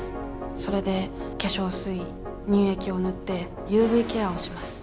それで化粧水乳液を塗ってＵＶケアをします。